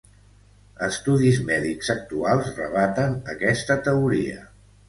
Estudis mèdics actuals rebaten aquesta teoria.